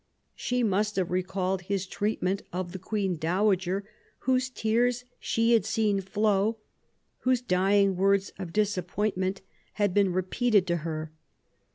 She must have re called his treatment of the Queen Dowager, whose tears she had seen flow, whose dying words of dis appointment had been repeated to her.